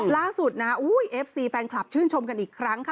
ล่าสุดนะเอฟซีแฟนคลับชื่นชมกันอีกครั้งค่ะ